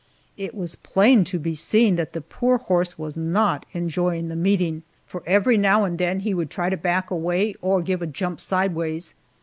It was plain to be seen that the poor horse was not enjoying the meeting, for every now and then he would try to back away, or give a jump sideways.